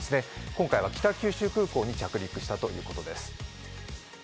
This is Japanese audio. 今回は北九州空港に着陸したということです。